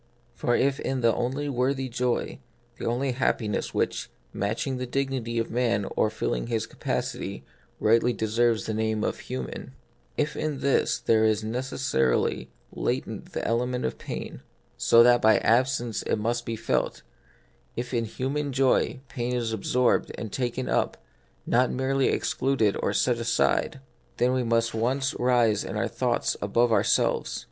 For if in the only worthy joy (the only hap piness which, matching the dignity of man or filling his capacity, rightly deserves the name of human,) if in this there is necessarily latent the element of pain, so that by an absence it 4 0 The Mystery of Pain, must be felt ;— if in human joy pain is ab sorbed and taken up, not merely excluded or set aside, then we at once rise in our thoughts above ourselves.